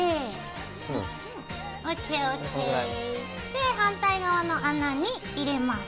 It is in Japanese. で反対側の穴に入れます。